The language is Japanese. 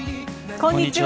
こんにちは。